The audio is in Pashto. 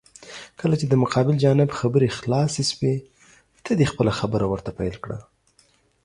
کله چې د مقابل جانب خبرې خلاسې شوې، ته دې خپله خبره ورته پېل کړه.